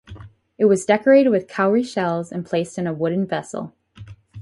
It was decorated with cowry shells and placed in a wooden vessel.